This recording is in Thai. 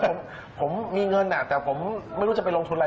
ผมมีเงินแต่ผมไม่รู้จะไปลงทุนอะไร